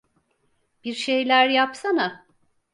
Bir şeyler yapsana.